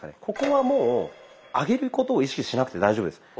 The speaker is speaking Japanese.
ここはもう上げることを意識しなくて大丈夫です。